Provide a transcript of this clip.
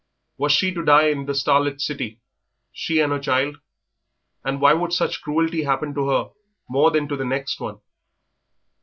Was she to die in the star lit city, she and her child; and why should such cruelty happen to her more than to the next one?